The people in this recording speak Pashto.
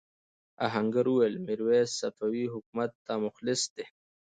آهنګر وویل میرويس صفوي حکومت ته مخلص دی.